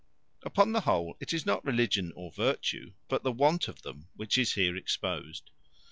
Upon the whole, it is not religion or virtue, but the want of them, which is here exposed.